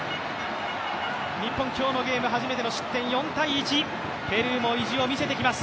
今日のゲーム、初めての失点ペルーも意地を見せてきます。